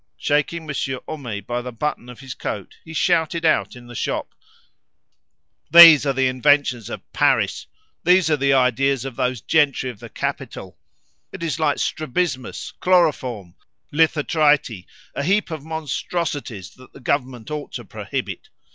Shaking Monsieur Homais by the button of his coat, he shouted out in the shop "These are the inventions of Paris! These are the ideas of those gentry of the capital! It is like strabismus, chloroform, lithotrity, a heap of monstrosities that the Government ought to prohibit.